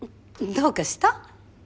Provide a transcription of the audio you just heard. どうかした？